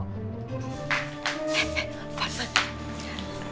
eh eh apaan